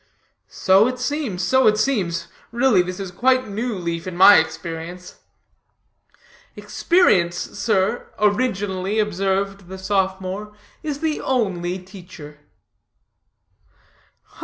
"So it seems, so it seems. Really, this is quite a new leaf in my experience." "Experience, sir," originally observed the sophomore, "is the only teacher."